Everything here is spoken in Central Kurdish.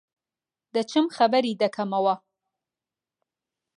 دەچم خەبەری دەکەمەوە.